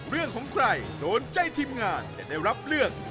เรื่องของใครโดนใจทีมงานจะได้รับเลือก